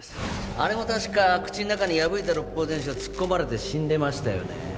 あれも確か口ん中に破いた六法全書突っ込まれて死んでましたよね